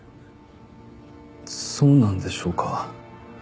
そうなんでしょうか？